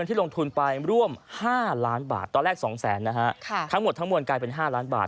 พอได้มาโอ้ยมันได้ดี